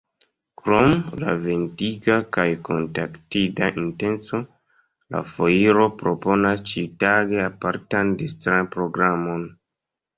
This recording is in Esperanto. Krom la vendiga kaj kontaktiga intenco, la foiro proponos ĉiutage apartan distran programon.